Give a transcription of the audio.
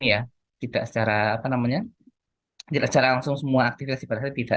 tidak secara ini ya tidak secara apa namanya tidak secara langsung semua aktivitas di batasnya tidak